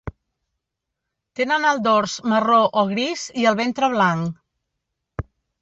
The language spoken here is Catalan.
Tenen el dors marró o gris i el ventre blanc.